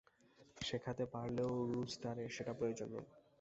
শেখাতে পারলেও, রুস্টারের সেটা প্রয়োজন নেই।